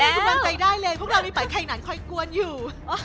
ทีมนี้คุณวางใจได้เลยพวกเราไม่ไปไข่หนันค่อยกวนอยู่